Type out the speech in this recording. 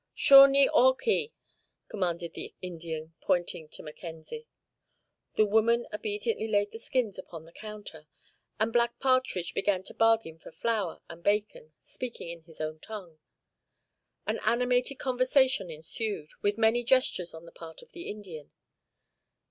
"Shaw ne aw kee," commanded the Indian, pointing to Mackenzie. The woman obediently laid the skins upon the counter, and Black Partridge began to bargain for flour and bacon, speaking his own tongue. An animated conversation ensued, with many gestures on the part of the Indian.